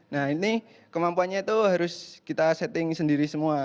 nah ini kemampuannya itu harus kita setting sendiri semua